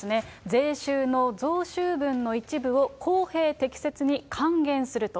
税収の増収分の一部を公平・適切に還元すると。